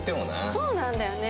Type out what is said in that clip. そうなんだよね。